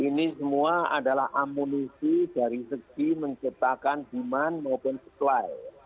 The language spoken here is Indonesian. ini semua adalah amunisi dari segi menciptakan demand maupun supply